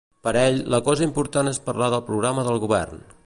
Per ell, la cosa important és parlar del programa del govern.